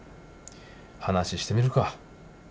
話してみるか。